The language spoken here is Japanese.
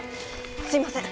すいません。